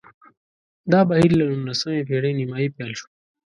دا بهیر له نولسمې پېړۍ نیمايي پیل شو